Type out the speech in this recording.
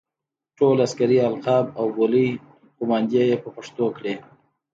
ټول عسکري القاب او بولۍ قوماندې یې په پښتو کړې.